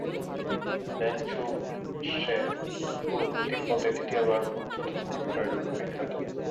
ব্যাং-ছুব-য়ে-শেস'-ওদ তিব্বতে দ্বিতীয়বার বৌদ্ধধর্ম প্রসারের জন্যও বিখ্যাত।